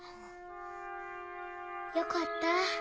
よかった。